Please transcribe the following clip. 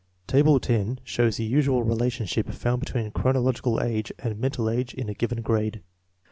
Table 10 shows the usual relationship found between chronological age and mental age in a given grade.